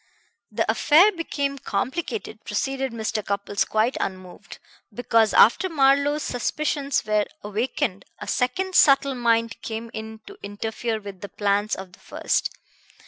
"The affair became complicated," proceeded Mr. Cupples quite unmoved, "because after Marlowe's suspicions were awakened a second subtle mind came in to interfere with the plans of the first.